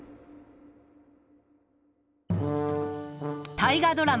大河ドラマ